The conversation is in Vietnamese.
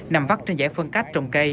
nằm vắt trên giải phân cách trồng cây